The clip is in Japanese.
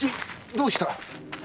どうした？